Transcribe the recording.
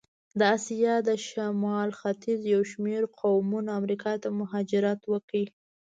د آسیا د شمال ختیځ یو شمېر قومونه امریکا ته مهاجرت وکړ.